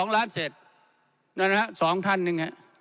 ๔๘๕๒ล้านเศษนั่นนะสองท่านหนึ่ง